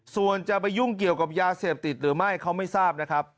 ส่วนจะไปยุ่งเกี่ยวกับยาเสพติดหรือไม่เขาไม่ทราบนะครับ